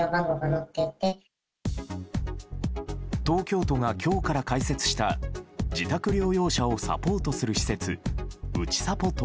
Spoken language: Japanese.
東京都が今日から開設した自宅療養者をサポートする施設うちさぽ